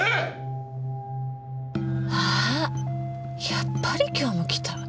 やっぱり今日も来た。